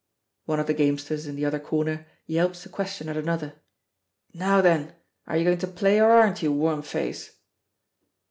One of the gamesters in the other corner yelps a question at another: "Now then? Are you going to play or aren't you, worm face?"